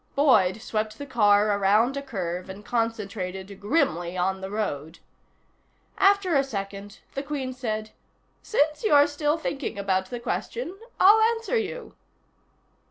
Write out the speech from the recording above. Boyd swept the car around a curve and concentrated grimly on the road. After a second the Queen said: "Since you're still thinking about the question, I'll answer you."